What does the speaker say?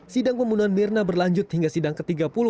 sidang pembunuhan mirna berlanjut hingga sidang ke tiga puluh